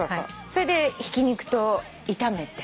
それでひき肉と炒めて。